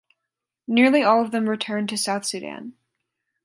Nearly all of them returned to South Sudan.